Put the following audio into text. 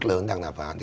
cực lớn đang đàm phán